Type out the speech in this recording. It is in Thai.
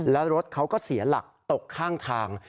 แล้วรถเขาก็เสียหลักตกข้างทาง